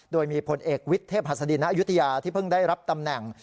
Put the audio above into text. โดยมีผลเอกวิทย์เทพหัสดินณอายุทยาที่เพิ่งได้รับตำแหน่ง